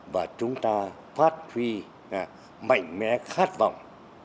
và chúng ta phát huy mạnh mẽ khát vọng